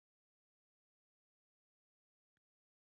د خلا حجم باید له دوه فیصده کم نه وي